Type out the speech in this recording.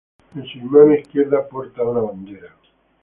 En su mano izquierda porta una bandera.